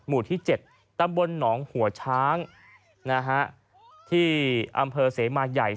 หมู่ที่๗ตำบลหนองหัวช้างนะฮะที่อำเภอเสมาใหญ่